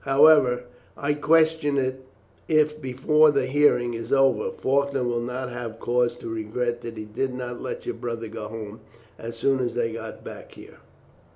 However, I question if before the hearing is over Faulkner will not have cause to regret that he did not let your brother go home as soon as they got back here."